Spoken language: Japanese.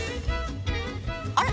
あれ？